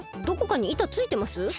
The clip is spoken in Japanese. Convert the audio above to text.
どこかに板ついてます？